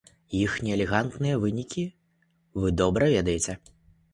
Іхнія элегантныя вынікі вы добра ведаеце.